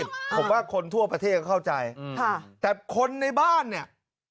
ผมว่าคนทั่วประเทศก็เข้าใจค่ะแต่คนในบ้านเนี่ย